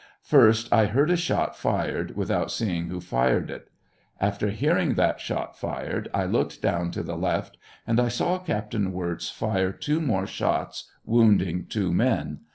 First I heard a shot fired, without seeing who fired it. After hearing that shot fired, I looked down to the left, and I saw Captain Wirz fire two more shots, wound ing two men.